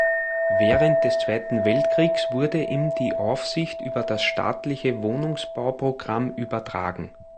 Während des Zweiten Weltkriegs wurde ihm die Aufsicht über das staatliche Wohnungsbauprogramm übertragen.